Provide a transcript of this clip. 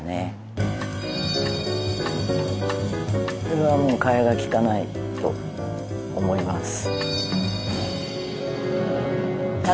これはもう替えがきかないと思います。